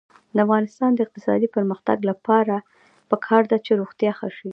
د افغانستان د اقتصادي پرمختګ لپاره پکار ده چې روغتیا ښه شي.